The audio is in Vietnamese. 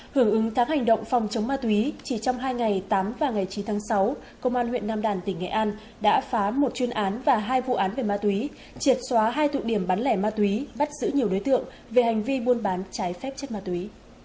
hưởng ứng tháng hành động phòng chống ma túy chỉ trong hai ngày tám và ngày chín tháng sáu công an huyện nam đàn tỉnh nghệ an đã phá một chuyên án và hai vụ án về ma túy triệt xóa hai tụ điểm bán lẻ ma túy bắt giữ nhiều đối tượng về hành vi buôn bán trái phép chất ma túy